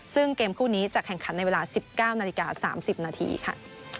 ซึ่งเกมคู่นี้จะแข่งขันในเวลา๑๙นาฬิกา๓๐นาทีค่ะ